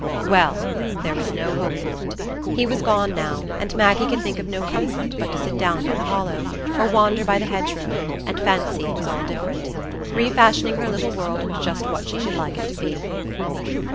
Well! there was no hope for it; he was gone now, and Maggie could think of no comfort but to sit down by the hollow, or wander by the hedgerow, and fancy it was all different, refashioning her little world into just what she should like it to be.